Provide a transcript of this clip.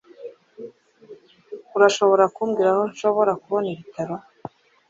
Urashobora kumbwira aho nshobora kubona ibitaro?